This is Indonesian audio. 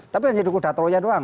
tapi hanya jadi kuda troya doang